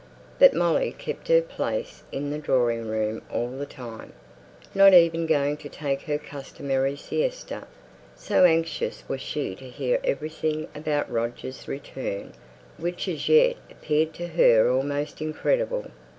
But Molly kept her place in the drawing room all the time, not even going to take her customary siesta, so anxious was she to hear everything about Roger's return, which as yet appeared to her almost incredible.